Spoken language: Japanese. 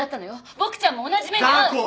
ボクちゃんも同じ目に遭う。